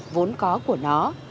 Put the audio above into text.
vốn có của nó